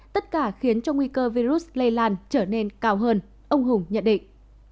tất cả khiến cho nguy cơ virus lây lan trở nên cao hơn ông hùng nhận định